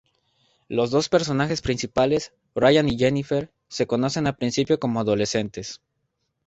Los dos personajes principales, Ryan y Jennifer, se conocen al principio como adolescentes.